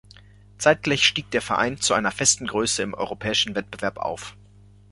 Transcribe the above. Zeitgleich stieg der Verein zu einer festen Größe im europäischen Wettbewerb auf.